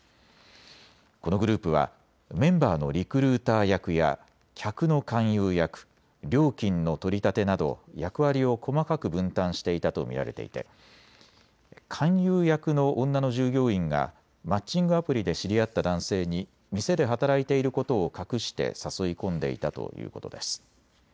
このグループはメンバーのリクルーター役や客の勧誘役、料金の取り立てなど役割を細かく分担していたと見られていて勧誘役の女の従業員がマッチングアプリで知り合った男性に店で働いていることを隠して誘い込んでいたということです。